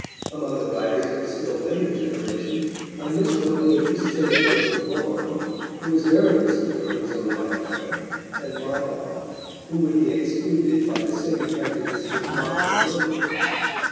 Among the writers of a still later generation, I miss no names save those of Vaughan, who was very obscure in his own lifetime, and Marvell, who would be excluded by the same prejudice which mocked at Milton.